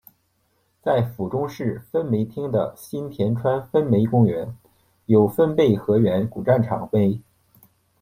在府中市分梅町的新田川分梅公园有分倍河原古战场碑。